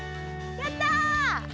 やった！